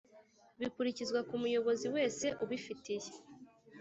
bikurikizwa ku muyobozi wese ubifitiye